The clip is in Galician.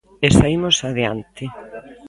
E saímos adiante.